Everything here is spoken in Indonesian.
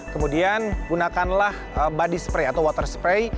kemudian gunakanlah body spray atau water spray